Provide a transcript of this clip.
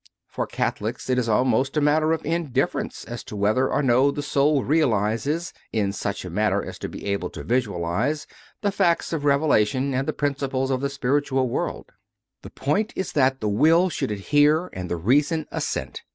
For Catholics it is almost a matter of indifference as to whether or no the soul realizes, in such a manner as to be able to visualize, the facts of revela tion and the principles of the spiritual world: the point is that the Will should adhere and the Rea son assent.